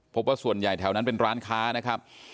พบว่าส่วนใหญ่แถวนั้นเป็นร้านค้านะครับ